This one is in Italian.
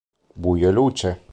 Buio e luce